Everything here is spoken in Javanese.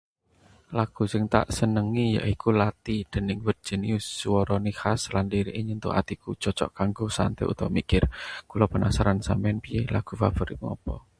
"Lagu sing tak senengi yaiku ""Lathi"" dening Weird Genius. Suwarane khas lan liriké nyentuh atiku, cocok kanggo santai utawa mikir. Kula penasaran, sampeyan piye, lagu favoritmu apa?"